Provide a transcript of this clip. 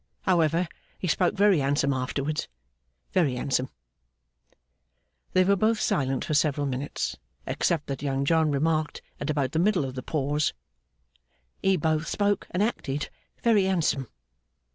However, he spoke very handsome afterwards; very handsome.' They were both silent for several minutes: except that Young John remarked, at about the middle of the pause, 'He both spoke and acted very handsome.